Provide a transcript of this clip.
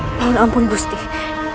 katinya kau promoting diri